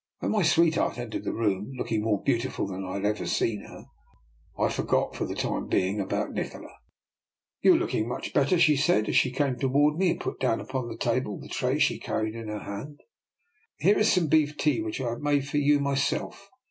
When my sweetheart entered the room, looking more beautiful than I had ever seen her, I for got, for the time being, about Nikola. " You are looking much better," she said, as she came toward me and put down upon DR. NIKOLA'S EXPERIMENT. 261 the table the tray she carried in her hand. " Here is some beef tea which I have made for you myself.